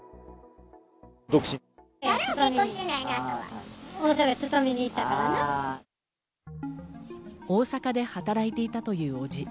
大阪で働いていたという伯父。